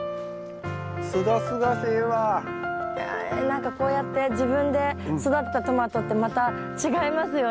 何かこうやって自分で育てたトマトってまた違いますよね。